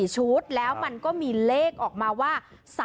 ชุดแล้วมันก็มีเลขออกมาว่า